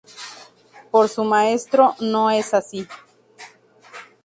Pero su maestro no es así.